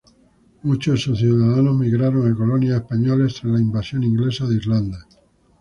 Muchos de sus ciudadanos migraron a colonias españolas tras la invasión inglesa de Irlanda.